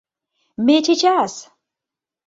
Ме чечас...